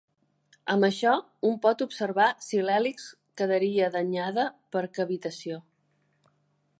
Amb això, un pot observar si l'hèlix quedaria danyada per cavitació.